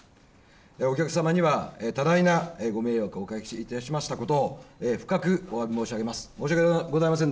お客様には多大なご迷惑をおかけいたしましたことを深くおわび申し上げます。